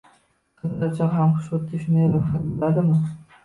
qizlar uchun ham xuddi shunday ro‘yxat bo‘ladimi?